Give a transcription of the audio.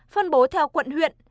phân bố theo quận huyện